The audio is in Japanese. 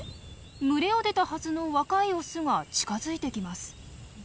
群れを出たはずの若いオスが近づいてきます。